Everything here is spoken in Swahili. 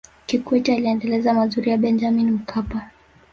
kikwete aliendeleza mazuri ya benjamini mkapa